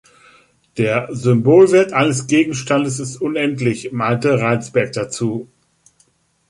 Der „Symbolwert eines Gegenstandes ist unendlich“ meinte Rheinsberg dazu.